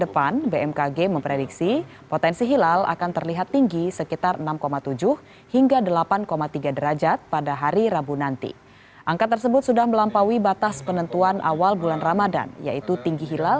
pada saat pemantau hilal